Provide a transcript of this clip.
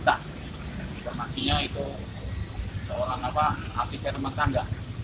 dan dipermasinya itu seorang asisten sementara